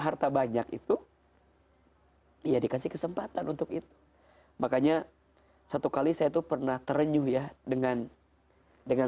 harta banyak itu ya dikasih kesempatan untuk itu makanya satu kali saya tuh pernah terenyuh ya dengan dengan